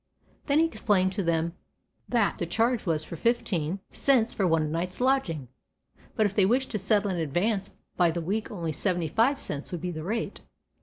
Then he explained to them that the charge was fifteen cents for one night's lodging, but if they wished to settle in advance by the week only seventy five cents would be the rate.